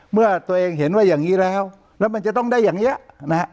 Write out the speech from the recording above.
เมื่อตัวเองเห็นว่าอย่างนี้แล้วแล้วมันจะต้องได้อย่างนี้นะฮะ